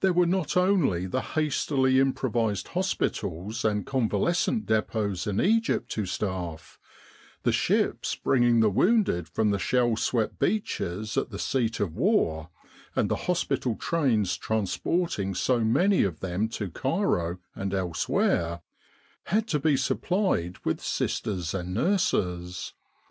There were not only the hastily improvised hospitals and convalescent depots in Egypt to staff; the ships bringing the wounded from the shell swept beaches at the seat of war, and the hospital trains transporting so many of them to Cairo and elsewhere,' had to be supplied with sisters and nurses.